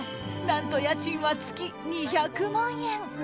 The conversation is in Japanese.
何と家賃は月２００万円。